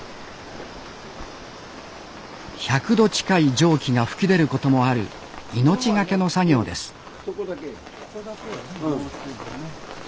１００℃近い蒸気が噴き出ることもある命懸けの作業です